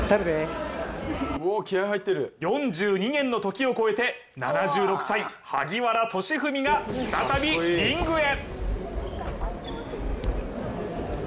４２年の時を越えて７６歳、萩原利文が再びリングへ。